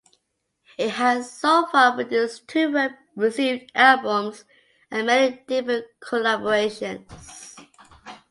It has so far produced two well-received albums and many different collaborations.